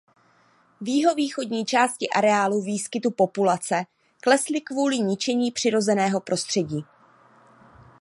V jihovýchodní části areálu výskytu populace klesly kvůli ničení přirozeného prostředí.